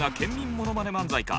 ものまね漫才か。